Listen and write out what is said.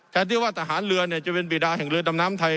ที่ว่าทหารเรือจะเป็นบีดาแห่งเรือดำน้ำไทย